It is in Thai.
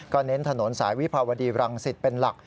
เน้นถนนสายวิภาวดีรังสิตเป็นหลัก